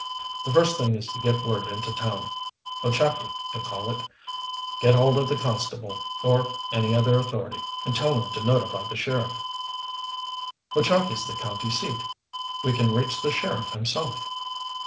"The first thing is to get word into town Ochakee, you call it. Get hold of the constable, or any other authority, and tell him to notify the sheriff." "Ochakee's the county seat we can reach the sheriff himself."